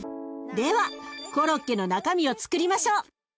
ではコロッケの中身をつくりましょう！